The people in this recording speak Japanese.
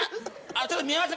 「ちょっと見えます？